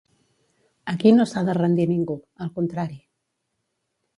Aquí no s’ha de rendir ningú, al contrari.